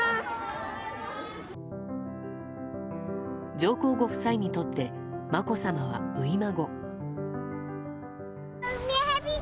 上皇ご夫妻にとってまこさまは初孫。